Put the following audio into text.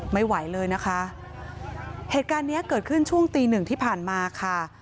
ไม่ไหวเลยนะคะเหตุการณ์เนี้ยเกิดขึ้นช่วงตีหนึ่งที่ผ่านมาค่ะ